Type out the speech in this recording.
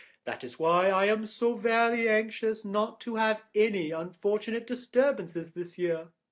That is why I am so very anxious not to have any unfortunate disturbance this year.